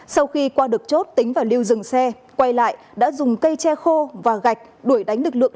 sau khi qua được chốt tính và lưu dừng xe quay lại đã dùng cây tre khô và gạch đuổi đánh lực lượng